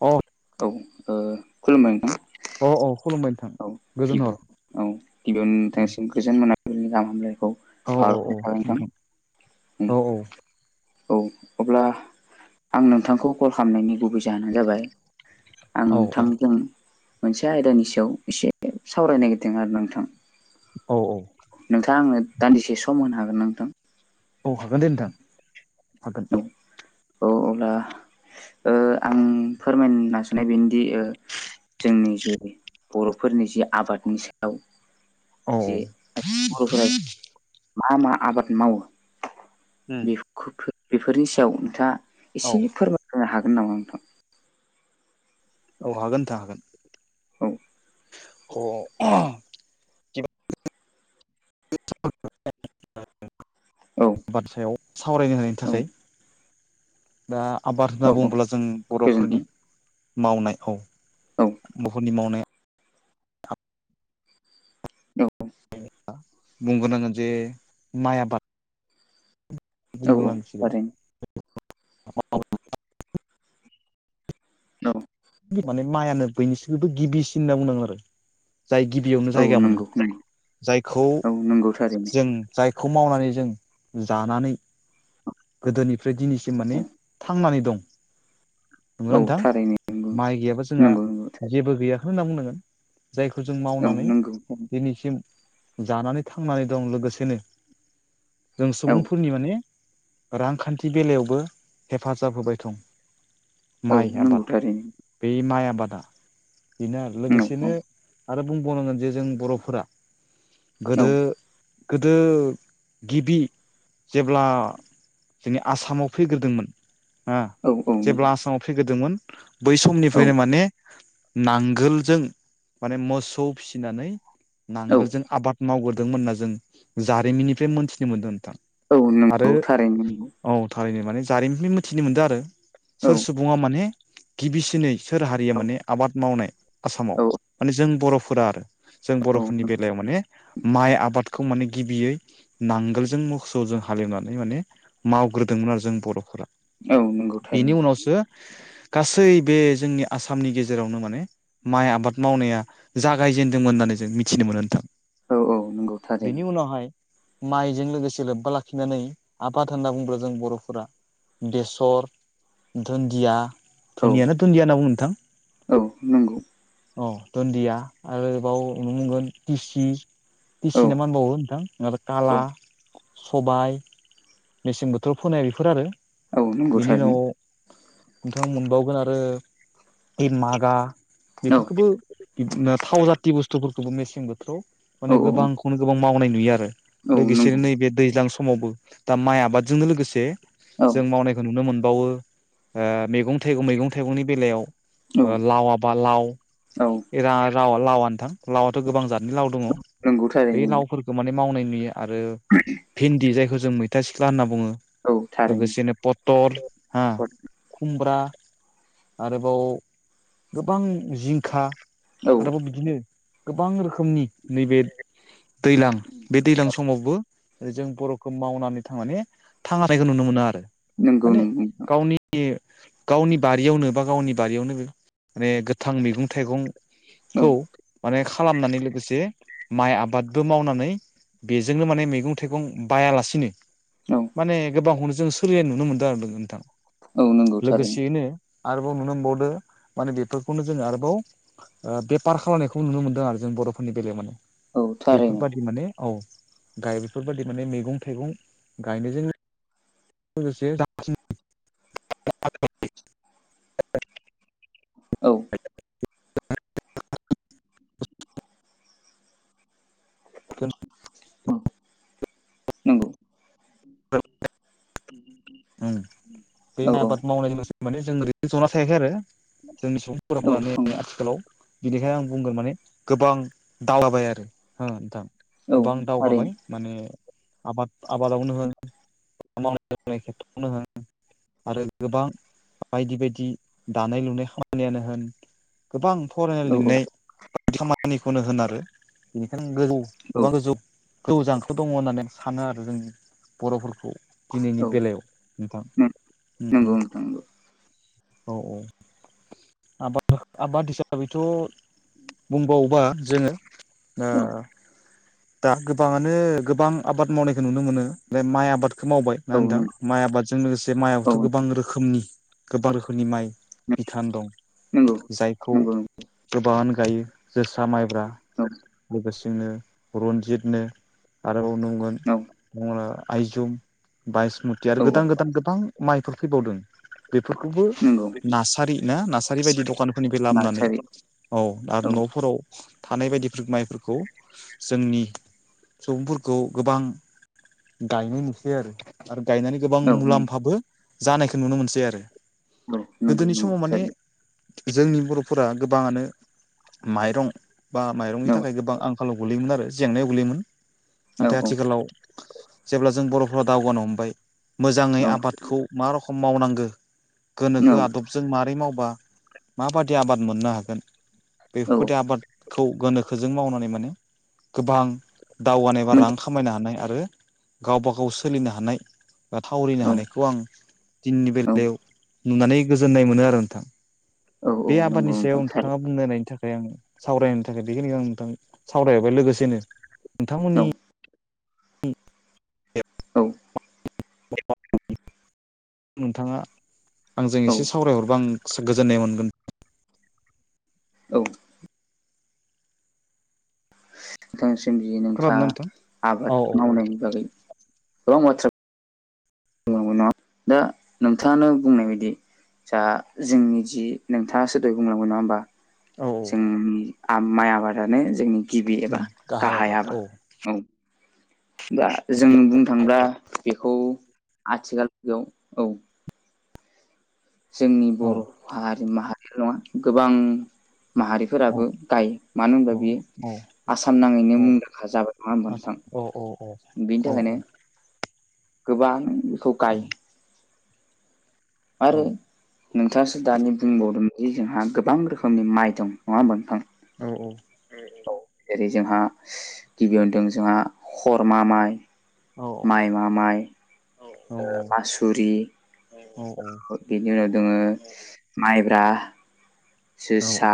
अ औ खुलुमबाय नोंथां। अ अ खुलुमबाय नोंथां औ गिबियाव गोजोनहर औ गिबियावनो नोंथांसिम गोजोन मोननानैनि गाहाम हामलायखौ औ औ औ बाहररनाय थाखायाबाय नोंथां। हम औ औ औ अब्ला आं नोंथांखौ कल खालामनायनि गुबै जाहोनानो जाबाय। आं औ नोंथांजों मोनसे आयदानि सायाव एसे सावरायनो नागिरदों आरो नोंथां। औ औ। नोंथाङा आङो दान्दिसे सम होनो हागोन नोंथां? औ हागोन दे नोंथां हागोन। औ अब्ला ओ आं फोरमायनो नाजाया बेनोदि ओ जोंनि जि बर'फोरनि जि आबादनि सायाव औ एसे मा मा आबाद मावो बे बेफोरनि सायाव नोंथाङा औ एसे फोरमायहो हागोन नामा नोंथां? औ हागोन नोंथां हागोन। औ औ औ बाथ्रायाव सावरायनो होनायनि औ थाखाय दा आबाद औ होनना औ बुङोब्ला जों बर'फोरनि गोजोनथों मावनाय औ। बहुत मावनाय औ। बुंगनो आांगोन जे माइ आबाद औ औ बुंगनांसिगोन थारैनो [unintelligible] न' माने माइानो बयनिसिमबो गिबिसिन होनना बुंनांगोन आरो जाय गिबियावनो औ औ जायगा मोनो नंगौ नंगौ जायखौ औ नंगौ थारैनो जों जायखौ मावनानै जों जानानै गोदोनिफ्राय दिनैसिम औ माने थांनानै दं नंगौना औ नोंथां थारैनो। नंगौ माइ गैयाबा जोंहा नंगौ नंगौ थारैनो जेबो गैयाखै होनना बुंनांगोन। जायखौ जों औ मावनानै नंगौ दिनैसिम जानानै थांनानै दं लोगोसेनो जों औ सुबुंफोरनि माने रांखान्थि बेलायावबो हेफाजाब होबाय दं‌ औ माइ नंगौ आबाद। थारैनो बे माइ आबादा बेनो आरो औ औ लोगोसेनो आरो बुंबावनांगोन जे जों बर'फोरा गोदो गोदो गिबि जेब्ला जोंनि आसामाव फैग्रोदोंमोन हा औ जेब्ला नंगौ आसामाव फैग्रोदोंमोन बै औ समनिफ्रायनो माने नांगोलजों माने मोसौ फिसिनानै औ नांगोलजों आबाद मावग्रोदोंमोन होनना जों जारिमिननिफ्राय मोनथिनो मोन्दों नोंथां। औ आरो नंगौ थारैनो औ थारैनो माने जारिमिननि मिथिनो मोनदों आरो सोर सुबुङा माने गिबिसिनै सोर औ हारिया माने आबाद मावनाय औ आसामाव माने जों बर'फोरा आरो। जों औ बर'फोरनि नंगौ बेलायाव माने माइ आबादखौ माने गिबियै नांगोलजों मोसौजों हालेवनानै माने मावग्रोदोंमोन आरो जों बर'फोरा औ नंगौ थारै सो गासै बे जोंनि आसामनि गेजेरावनो माने माइ आबाद मावनाया जागायजेनदोंमोन होननानै जों मिथिनो मोनो नोंथां। औ औ नंगौ थारैनो बिनि उनावहाय माइजों लोगोसे लोब्बा लाखिनानै आबाद होनना बुंबा जों बर'फोरा बेसर दुन्दिया औ दुन्दियाानो दुन्दिया होनना बुंङो नोंथां? औ नंगौ अ दुन्दिया आरो बाव नुनो मोनगोन तिसि औ दिसिना मानबावो नोंथां औ काला सबाय मेसें बोथोराव फोनाय बेफोर आरो औ नंगौ बेनि थारैनो उनाव नोंथाङा मोनबावगोन आरो इन मागा औ बेफोरखौबो थाव जाथि बुस्थुफोरखौबो मेसें बोथोराव माने औ गोबांखौनो गोबां मावनाय नुयो आरो औ नंगौ लोगोसेनो नैबे दैज्लां समावबो दा माइ आबादजोंनो लोगोसे औ जों मावनायखौ नुनो मोनबावो मैगं थाइगं मैगं थाइगंनि बेलायाव औ लाव बा लाव औ लावा लावा नोथां लावआथ' गोबां जतनि लाव दङ नंगौ बे थारैनो लावफोरखौ माने मावनाय नुयो आरो [unintelligible] भिन्दि जायखौ जों मैथा सिख्ला होनना बुङो औ थारैनो लोगोसेनो प तल ह खुमब्रा आरोबाव गोबां जिंखा औ आरोबाव बिदिनो गोबां रोखोम। समनि नैबे दैज्लां बे दैज्लां समावबो जों बर'खौ मावनानै थांनानै थांना थायखौ नुनो मोनो आरो नंगौ माने नंगौ गावनि बे गावनि बारियावनो बा गावनि बारियावनो माने गोथां मैगं औ थाइगंखौ माने खालामनानै लोगोसे माइ आबादबो मावनानै बेजोंनो माने मैगं थाइगं बायालासिनो औ माने गोबांखौनो जों सोलिलायनाय नुनो मोनदों आरो नोंथां औ नंगौ थारैनो लोगोसेयैनो आरोबाव नुनो मोनबावदो माने बेफोरखौनो जों आरोबाव ओ बेफार खालामनायखौ नुनो मोनदों आरो जों बर'फोरनि बेलायाव माने औ थारैनो बेफोरबादि माने औ गाय बेफोरबायादि माने मैगं थाइगं गायनायजों लोगोसे [unintelligible] औ [unintelligible] नंगौ [unintelligible] उम बे औ माइ औ आबाद मावनायनि माने जों ओरैनो जना थायाखै आरो जोंनि सुबुंफोरा औ माने थांगोन आथिखालाव बिनिखायनो आं बुंगोन माने गोबां दावगाबाय आरो हो नोंथां औ गोबां दावगाबाय थारैनो माने आबाद आबादावनो होन [unintelligible] आरो गोबां बायदि बायदि दानाय लुनाय खामानियानो होन गोबां फरायनाय औ लिररनाय खामानिखौनो होन आरो बेनिखायनो गोजौ औ गोबां गोजौ गोजौ जांख्ला दंङ' होननानै सानो आरो जोंनि बर'फोरखौ औ दिनैनि बेलायाव नोंथां नंगौ नोंथां औ औ आबाद आबाद हिसाबैथ' बुंबावोबा जोंङो ओ औ दा गोबाङानो गोबां आबाद मावनायखो नुनो मोनो बे माइ आबादखौ मावबाय। ना औ नोंथां नंगौ माइ आबादजों लोगोसे औ माइआथ' गोबां रोखोमनि गोबां रोखोमनि माइ। बिथान दं नंगौ जायखौ नंगौ गोबांआनो गायो जोसा माइब्रा। औ लोगोसेनो रन्जितनो आरोबाव नांगोन औ उम आइजुम। बायसमुति आरो औ औ गोदान गोदान गोबां माइफोर फैबावदों। बेफोरखौबो नंगौ नारसारि ना नार्सारि बायदि दखानफोरनिफ्राय लाबोनानै नार्सारि औ आरो न'फोराव थानाय बायदि थिग माइफोरखौ जोंनि सुबुंफोरखौ गोबां गायनाय नुसै आरो आरो गायनानै गोबां नंगौ मुलाम्फाबो जानायखौ नुनो मोनसै आरो औ नंगौ गोदोनि नंगौ समाव माने थारैनो जोंनि बर'फोरा गोबांङानो माइरं बा माइरं नि औ थाखाय गोबां आंखालाव गोगलैयोमोन आरो जेंनायाव गोलैयोमोन औ नाथाय औ आथिखालाव जेब्ला जों बर'फोरा दावगानो हमबाय मोजाङै आबादखौ मा रखम मावनांगो गोनोखो आदब जों मारै मावबा माबादि आबाद मोननो हागोन औ बेफोरबायदि आबादखौ गोनो खोजों मावनानै माने गोबां दावगानाय बा मोन रां खामायनो हानाय आरो गावबा गाव सोलिनो हानाय ओ थावरिनो औ हानायखौ आं दिननि औ बेलायाव नुनानै गोजोननाय मोनो आरो ओंथां। औ औ बे नंगौ आबादनि नोंथां सायाव थार नोंथांङा बुंनायनायनि थाखाय आं सावरायनो थाखाय बेखिनिखौ आं नोंथां सावरायहरबाय लोगोसेनो औ नोंथांमोननि औ [unintelligible] नोंथांङा आंजों औ एसे सावरायहरबा आं सो गोजोननाय मोनगोन। औ नोंथांसिम जि खोनादोंना नोंथाङा नोंथां औ आबाद औ मावनायनि बागै गोबां बाथ्रा ना दा नोंथांङानो बुंनाय बायदि जा जोंनि जि नोंथांङा दहाय बुंलांबाय नंङा होमबा? औ जोंनि माइ आबादानो जोंनि गिबि एबा गाहाय आबाद। औ दा जों बुंनो थाङोब्ला बेखौ आथिखाल [unintelligible] औ। जोंनि औ बर' हारि माहारिल' नङा गोबां औ माहारिफोराबो गायो। मानो होनबा औ बियो औ आसाम नांङैनो औ मुंदांखा जाबाय नङा होमबा आसा नोंथां। औ औ औ बेनि औ थाखायनो औ गोबां बेखौ गाय उम औ आरो नोंथाङासो दानि बुंबावदोंमोन जि जोंहा गोबां रोखोमनि माइ दं। नङा होमबा नोंथां? औ औ उम उम दं। जेरै- जोंहा गिबियावदों जोंहा खरमा माइ। औ माइमा माइ औ औ ओ मासुरि औ औ बेनि उनाव दोङो माइब्रा। औ जोसा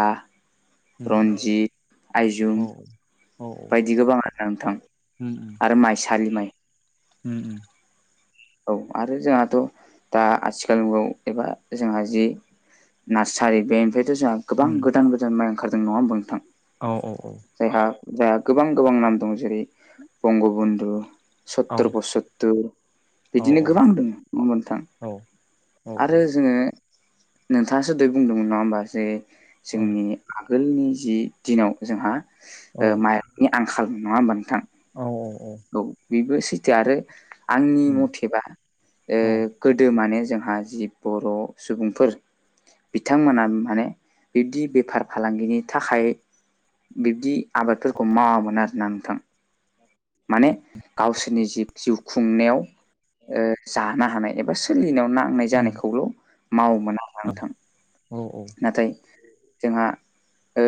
उम रन्जित उम औ आइजुम। औ बायदि गोबां आरो ना नोंथां उम आरो माइसालि माइ। उम उम औ आरो जोंहाथ' दा आथिखाल मुगायाव एबा जोंहा जि नार्सारि बेनिफ्रायथ' जोंहा उम गोबां गोदान गोदान माइ ओंखारदों नङा होनबा नोंथां? औ औ औ जायहा जोहा गोबां गोबां नाम दं जेरै बंग बन्धु सत्तर पसततर औ बिदिनो गोबां दोंङो नंङा होमबा नोंथां औ औ आरो जोंङो नोंथांङासो दहय बुंदोंमोन नङा होमबा जे जोंनि आगोलनि जि दिनाव जोंहा औ ओ माइरंनि आंखाल नङा होमबा नोंथां उम औ औ औ औ बेबो सैथो आरो आंनि मथेबा ओ गोदो माने जोंहा जि बर' सुबुंफोर बिथांमोना माने बिब्दि बेफार फालांगिनि थाखाय बिब्दि आबादफोरखौ मावामोन आरोना नोंथां। माने गावसोरनि जि जिउ खुंनायाव ओ जानो हानाय एबा सोलिनायाव नांनाय जानायखौल' मावोमोन आरो। [unintelligible] औ औ औ नाथाय जोंहा ओ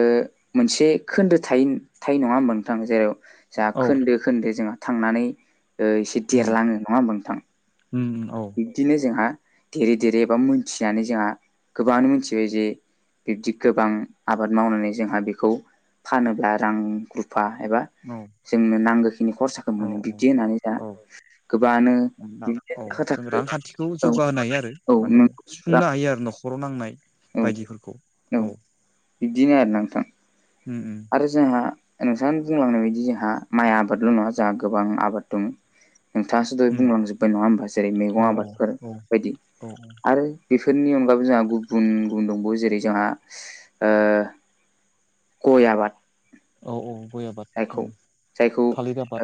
मोनसे खोन्दो थाय थायो नङा होनोमा नोंथां जेराव जा खोन्दो खोन्दो जोंहा थांनानै ओ एसे देरलाङो नङा होमबा नोंथां। उम उम औ बिबदिनो जोंहा देरै देरै एबा मोनथिनानै जोंहा गोबाङानो मोनथिबाय जे बिब्दि गोबां आबाद मावनानै जोंहा बेखौ फानोब्ला रां रुफा एबा औ जोंनो नांगौखिनि खरसाखौ मोनो औ बिब्दि होननानै दा औ गोबांङानो [unintelligible] औ जों रांखान्थिखौ जौगाहोनो हायो आरो औ माने नंगौ रां सुफुंनो हायो आरो न'खराव नांनाय औ औ बिदिनो आरो ना नोंथां। उम उम आरो जोंहा नोंथांङानो बुंलांनाय बायदि जोंहा माइ आबादल' नङा जोंहा गोबां आबाद दं। नोंथाङासो दहाय उम बुंलांजोबबाय नङा होमबा जेरै- औ मैगं औ आबादफोर बायदि। औ आरो बेफोरनि अनगाबबो जोंहा गुबुन गुबुन दंबावो जेरै जोंहा ओ गय आबाद औ औ गया आबाद। औ जायखौ जायखौ थालिर आबाद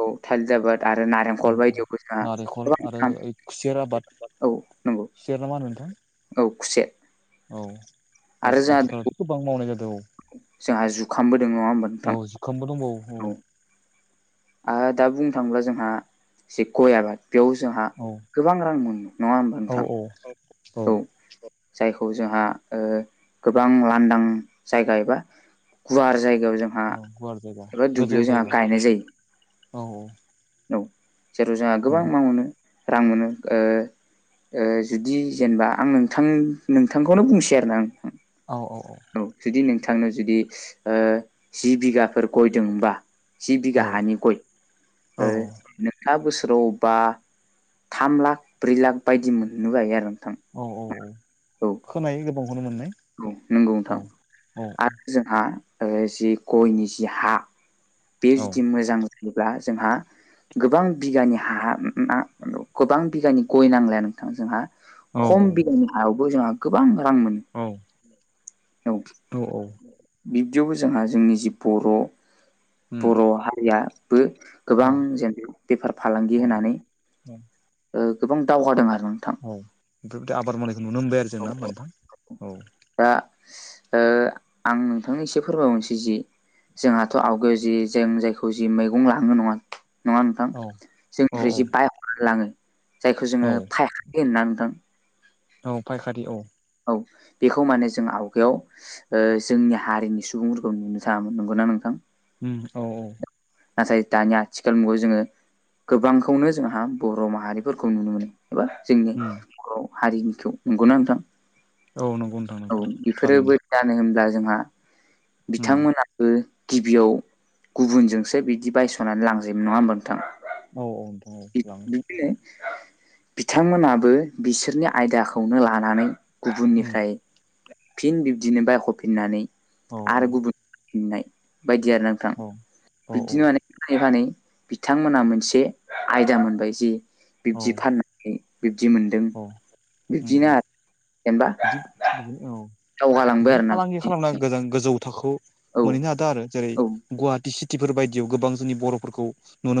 ओ औ [unintelligible] आरो औ नारेंखल औ बायदियावबो जोंहा नारेंखल आरो गोबां [unintelligible] औ नंगौ सेरना मा होन नोंथां? औ खुसे औ आथि-आथिखालावथ' गोबां मावनाय जादों औ। जोंहा जुखामबो दों नङा होमबा नोंथां। खोमबो दंबावो औ। आ दा बुंनो थाङोब्ला जोंहा जसे गय आबाद बेयाव जोंहा औ गोबां रां मोनो। नङा होमबा औ नोंथां? औ औ। जायखौ जोंहा ओ गोबां लांदां जायगा एबा गुवार जायगायाव जों औ गुवार जायगा गोजौ जायगा जायो औ औ। औ जेराव जोंहा औ गोबां मा मोनो रां मोनो। ओ ओ जुदि जेनेबा आं नोंथां नोंथांखौनो बुंसै आरोना आं औ औ औ। औ जुदि नोंथांनो जुदि ओ जि बिगाफोर गय दोंबा जि बिघा हानि गय। औ ओ नोंथाङा बोसोराव बा थाम लाख ब्रै लाख बायदि मोननोबो हायो आरो नोंथां। औ औ औ औ खोनायो गोबांखौनो मोननाय। औ नोंगौ औ नोंथां। आरो जोंहा ओ जि गयनि जि हा बे औ जुदि मोजां जायोब्ला जोंहा गोबां बिगानि हा गोबां बिगानि गय नांलाया नोंथां जोंहा औ खम बिगानि हायावबो जोंहा गोबां रां मोनो। औ औ औ। बिब्दियावबो जोंहा जोंनि जि बर' उम बर' हारियाबो औ गोबां जेनब बेफार फालांगि औ होनानै ओ गोबां दावहगादों आरो नोंथां। औ बेफोरबादि आबाद मावनायखौ नुनो मोनबाय आरो औ जोंना होमबा नोंथां औ। दा ओ आं नोंथांनो एसे फोरमायबावनोसै जि जोंहाथ' आवगोल जि जों जायखौ जि मैगं लाङो नङा नङा नोंथां औ औ जोंनिफ्राय औ जि बायहरना लाङो जायखौ औ जोङो फायखारि होनोना नोंथां औ फायखारि औ। औ बेखौ माने जों आवगायाव ओ जोंनि हारिनि सुबुंफोरखौ नुनो थाङामोन नंगौना नोंथां? उम औ औ। नाथाय दानि आथिखाल मुगायाव जोङो गोबांखौनो जोंहा बर' माहारिफोरखौ नुनो मोनो। एबा जोंनि उम बर' हारिनिखौ नंगौना नोंथां? औ नंगौ नोंथां औ नंगौ बेफोरोबो थारैनो जानो होनब्ला जोंहा उम बिथांमोना बो गिबियाव गुबुनजोंसो बिदि बायस'नानै लांजोबो। नङा होमबा नोंथां? औ औ नोंथां औ लाङो। बिदिनो बिथांमोनाबो बिसोरनि आयदाखौनो लानानै उम गुबुननिफ्राय फिन बिब्दिनो बायख'फिननानै औ आरो गुबुन फिननाय बायदि आरोना नोंथां। औ औ बिदिनो मा फानै फानै बिथांमोना मोनसे आयदा मोनबाय जे औ बिब्दि फानना नै बिब्दि मोनदों औ उम बिब्दिनो उम आरो जेनबा बिदि बिदिनो औ बिदिनो ना फालांगि खालामना गोजान गोजौ थाखोआव औ मोनहैनो हादों आरो जेरै औ गुवाहाटि चिटिफोर बायदियाव गोबां जोंनि बर'फोरखौ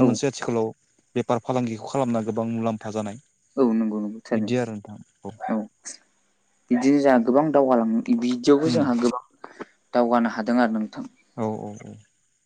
औ मोनसै आथिखालाव बेफार फालांगिखौ खालामना गोबां मुलाम्फा जानाय। औ नंगौ नंगौ। थारैनो बिदि आरो नोंथां। औ बिदिनो जोंहा गोबां दावगालाङो। बिदियावबो जोंहा गोबां दावगानो हादों आरो नोंथां। औ औ औ।